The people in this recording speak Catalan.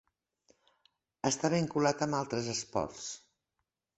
Està vinculat amb altres esports.